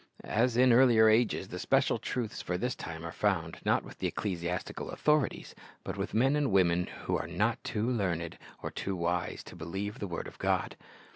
"' As in earlier ages, the special truths for this time are found, not wath the ecclesiastical authorities, but with men and women who are not too learned or too wise to believe the word of God.